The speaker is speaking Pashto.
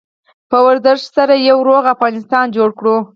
په ورزش سره یو روغ افغانستان جوړ کړو.